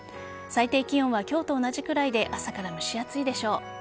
最低気温は今日と同じくらいで朝から蒸し暑いでしょう。